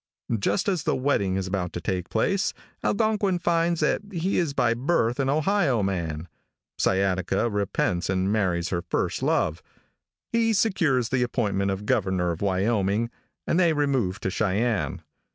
Just as the wedding is about to take place, Algonquin finds that he is by birth an Ohio man. Sciataca repents and marries her first love. He secures the appointment of governor of Wyoming, and they remove to Cheyenne.